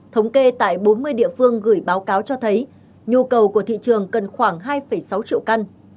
thống kê tại bốn mươi địa phương gửi báo cáo cho thấy nhu cầu của thị trường cần khoảng hai sáu triệu căn